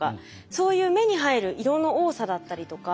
そういう目に入る色の多さだったりとか。